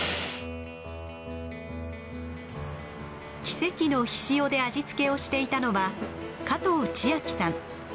奇跡の醤で味付けをしていたのは加藤千晶さん。